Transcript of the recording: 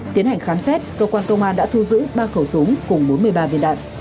tiến hành khám xét cơ quan công an đã thu giữ ba khẩu súng cùng bốn mươi ba viên đạn